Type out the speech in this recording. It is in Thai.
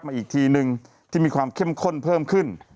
อีกทีนึงที่มีความเข้มข้นเพิ่มขึ้น